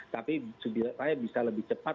tapi supaya bisa lebih cepat